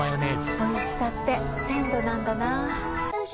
おいしさって鮮度なんだな。